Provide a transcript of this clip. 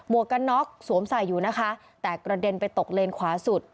วกกันน็อกสวมใส่อยู่นะคะแต่กระเด็นไปตกเลนขวาสุด